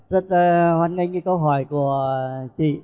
rất hoan nghênh cái câu hỏi của chị